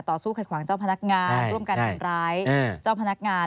ต่อสู้ขัดขวางเจ้าพนักงานร่วมกันทำร้ายเจ้าพนักงาน